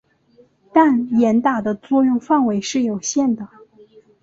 但严打的作用范围是有限的。